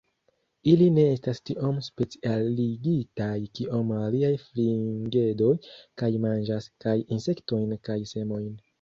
Ili ne estas tiom specialigitaj kiom aliaj fringedoj, kaj manĝas kaj insektojn kaj semojn.